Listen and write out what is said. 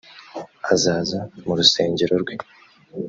azaza mu rusengero rwe